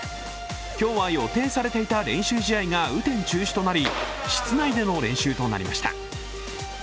今日は、予定されていた練習試合が雨天中止となり室内での練習となりました。